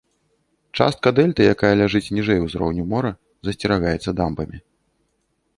Частка дэльты, якая ляжыць ніжэй ўзроўню мора, засцерагаецца дамбамі.